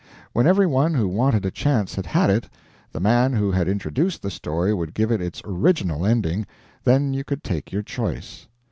When every one who wanted a chance had had it, the man who had introduced the story would give it its original ending then you could take your choice.